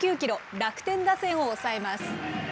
楽天打線を抑えます。